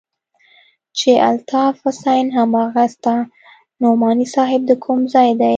چې الطاف حسين هماغه ستا نعماني صاحب د کوم ځاى دى.